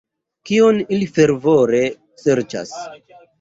Kion ili fervore serĉas?